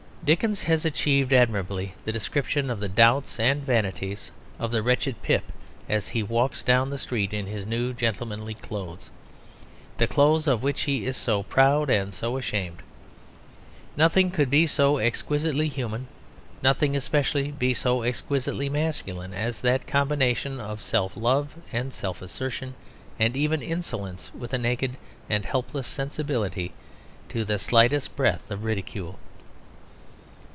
Dickens has achieved admirably the description of the doubts and vanities of the wretched Pip as he walks down the street in his new gentlemanly clothes, the clothes of which he is so proud and so ashamed. Nothing could be so exquisitely human, nothing especially could be so exquisitely masculine as that combination of self love and self assertion and even insolence with a naked and helpless sensibility to the slightest breath of ridicule.